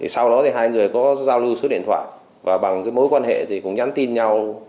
sau đó thì hai người có giao lưu số điện thoại và bằng mối quan hệ thì cũng nhắn tin nhau